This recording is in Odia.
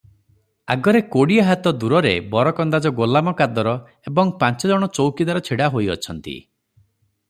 ଆଗରେ କୋଡ଼ିଏ ହାତ ଦୂରରେ ବରକନ୍ଦାଜ ଗୋଲାମ କାଦର ଏବଂ ପାଞ୍ଚଜଣ ଚୌକିଦାର ଛିଡ଼ା ହୋଇଅଛନ୍ତି ।